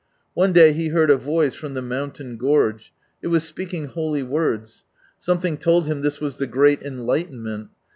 One day he heard a voice from the mountain gorge. It was speaking holy words. Something told him this was The Great Enlightenment.